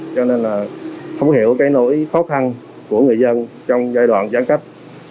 cho nên không hiểu nỗi khó khăn của người dân trong giai đoạn giãn cách